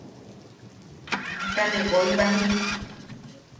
Ta ne woi bajim...